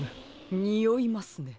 においますね。